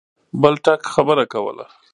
بل ټک خبره کوله.